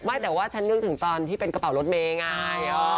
ไม่แต่ว่าฉันนึกถึงตอนที่เป็นกระเป๋ารถเมย์ไง